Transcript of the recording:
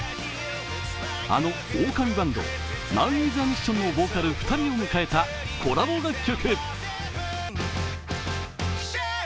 あのオオカミバンド・ＭＡＮＷＩＴＨＡＭＩＳＳＩＯＮのボーカル２人を迎えたコラボ楽曲。